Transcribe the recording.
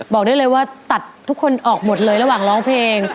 บอกได้เลยว่าตัดทุกคนออกหมดเลยระหว่างร้องเพลง